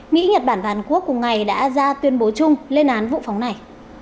mỹ nhật bản và hàn quốc cùng ngày đã ra tuyên bố chung lên án vụ phóng này